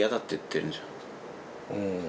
うん。